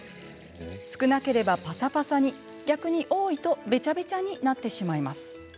少なければ、ぱさぱさに逆に多いとべちゃべちゃになってしまいます。